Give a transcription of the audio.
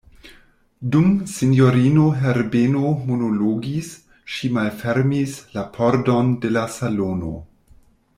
Dum sinjorino Herbeno monologis, ŝi malfermis la pordon de la salono.